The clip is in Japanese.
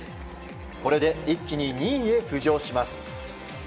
これで一気に２位へ浮上します。